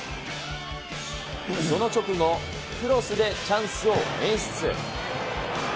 その直後、クロスでチャンスを演出。